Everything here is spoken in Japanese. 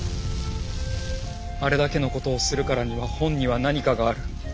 「あれだけのことをするからには本にはなにかがある」。